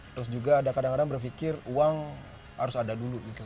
terus juga ada kadang kadang berpikir uang harus ada dulu gitu